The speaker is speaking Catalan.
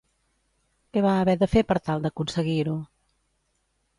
Què va haver de fer per tal d'aconseguir-ho?